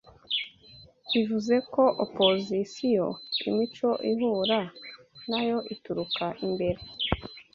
bivuze ko opozisiyo imico ihura nayo ituruka imbere